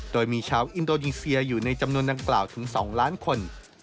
โดยมีชาวอินโดนีเซียอยู่ในจำนวนดังกล่าวถึง๒ล้านคน